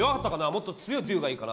もっと強いドゥがいいかな。